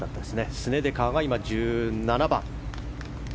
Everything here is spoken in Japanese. スネデカーは１７番。